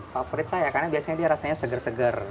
favorit saya karena biasanya dia rasanya seger seger